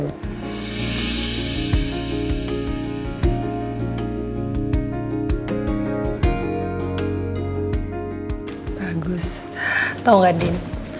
bagus tau gak din